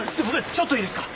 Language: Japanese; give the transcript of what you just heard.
ちょっといいですか？